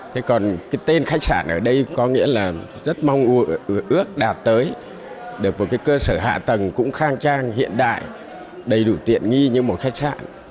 thế còn cái tên khách sạn ở đây có nghĩa là rất mong ước đạt tới được một cái cơ sở hạ tầng cũng khang trang hiện đại đầy đủ tiện nghi như một khách sạn